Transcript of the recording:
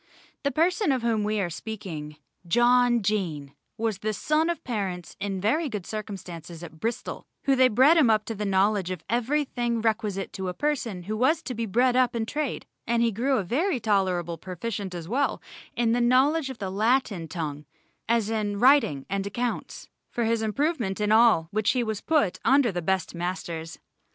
The person of whom we are speaking, John Jaen, was the son of parents in very good circumstances at Bristol, who they bred him up to the knowledge of everything requisite to a person who was to be bred up in trade, and he grew a very tolerable proficient as well in the knowledge of the Latin tongue, as in writing and accounts, for his improvement in all which he was put under the best masters.